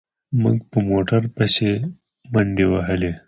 موږ په موټر پسې منډې وهلې.